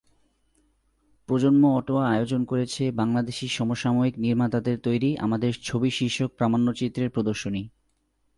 প্রজন্ম অটোয়া আয়োজন করেছে বাংলাদেশি সমসাময়িক নির্মাতাদের তৈরি আমাদের ছবি শীর্ষক প্রামাণ্যচিত্রের প্রদর্শনী।